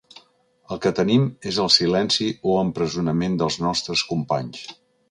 El que tenim és el silenci o empresonament dels nostres companys.